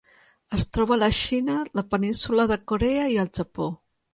Es troba a la Xina, la Península de Corea i el Japó.